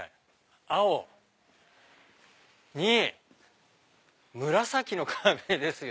青に紫の壁ですよ。